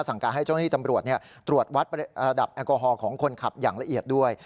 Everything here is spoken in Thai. สั่งการให้เจ้าหน้าที่ตำรวจตรวจวัดระดับแอลกอฮอลของคนขับอย่างละเอียดด้วย